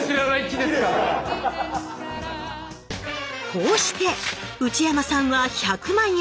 こうして内山さんは１００万円。